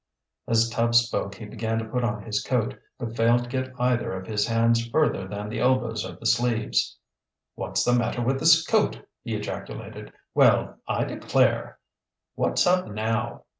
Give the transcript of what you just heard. As Tubbs spoke he began to put on his coat, but failed to get either of his hands further than the elbows of the sleeves. "What's the matter with this coat"? he ejaculated. "Well, I declare!" "What's up now"?